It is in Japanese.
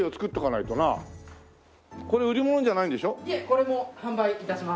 いえこれも販売致します。